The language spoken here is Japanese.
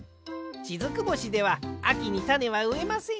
しずく星ではあきにたねはうえません！